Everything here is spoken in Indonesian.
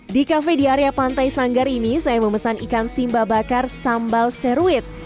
di kafe di area pantai sanggar ini saya memesan ikan simba bakar sambal seruit